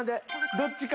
どっちか。